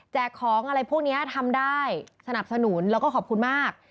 ของอะไรพวกนี้ทำได้สนับสนุนแล้วก็ขอบคุณมาก